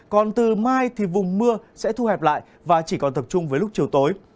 còn từ mai thì vùng mưa sẽ thu hẹp lại và chỉ còn tập trung với lúc chiều tối